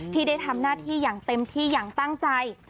ที่ได้ทำหน้าที่อย่างเต็มที่อย่างตั้งใจ